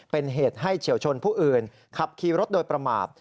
เป็นเหตุให้เฉียวชนผู้อื่นขับขี่รถโดยประมาท